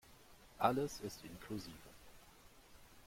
Alles ist inklusive.